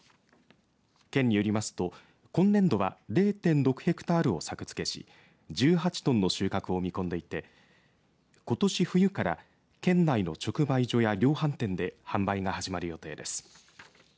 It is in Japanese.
県によりますと今年度は０．６ヘクタールを作付けし１８トンの収穫を見込んでいてことし冬から県内の直売所や量販店で販売が始まる予定です。